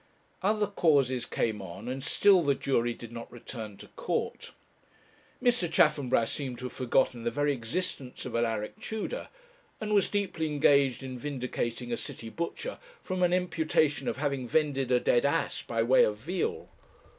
Other causes came on, and still the jury did not return to court. Mr. Chaffanbrass seemed to have forgotten the very existence of Alaric Tudor, and was deeply engaged in vindicating a city butcher from an imputation of having vended a dead ass by way of veal.